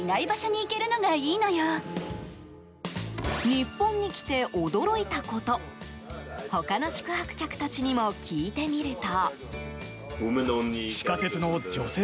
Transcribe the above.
日本に来て驚いたこと他の宿泊客たちにも聞いてみると。